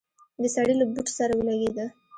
د سړي له بوټ سره ولګېده.